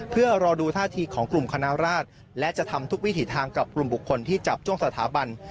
เพื่อรอดูท่าทีของกลุ่มคณะราชและจะทำทุกวิถีทางกับกลุ่มบุคคลที่จับจ้วงสถาบัน